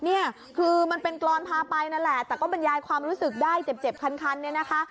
เนี่ยคือมันเป็นกรอนพาไปนั่นแหละแต่ก็บรรยายความรู้สึกได้เจ็บคันเนี่ยนะคะ